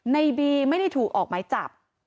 ในบีไม่ได้ถูกออกหมายจับ